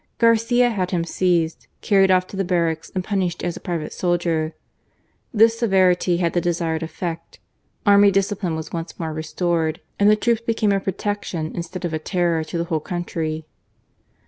Garcia had him seized, carried off to the barracks and punished as a private soldier. This severity had the desired effect ; army discipline was once more restored, and the troops became a protection, instead of a terror, to the whole country.